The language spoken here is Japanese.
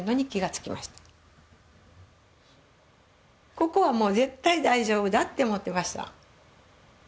ここはもう絶対大丈夫だって思っていました。